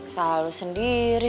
salah lo sendiri